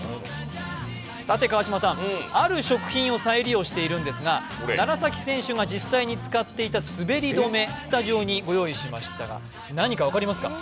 川島さん、ある食品を再利用しているんですが、楢崎選手が実際に使っていた滑り止め、スタジオにご用意しましたが何か分かりますか？